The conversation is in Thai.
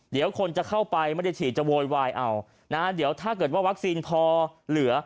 เดี๋ยวคนจะเข้าไปไม่ได้ฉีดจะโวยวายเอานะเดี๋ยวถ้าเกิดว่าวัคซีนพอเหลือ